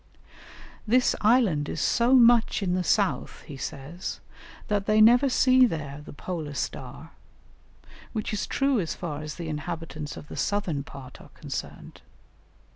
"This island is so much in the south," he says, "that they never see there the polar star," which is true as far as the inhabitants of the southern part are concerned.